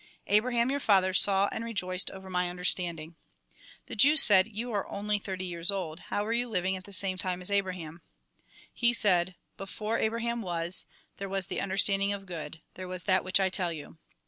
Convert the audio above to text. Abraham, your father, saw and rejoiced over my understanding." The Jews said :" You are only thirty years old, how were you living at the same time as Abraham ?" He said :" Before Abraham was, there was the understanding of good, there was that which I tell you."